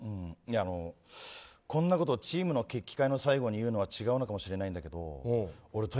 いや、こんなことチームの決起会の最後に言うのは違うのかもしれないんだけど。